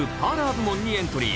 部門にエントリー。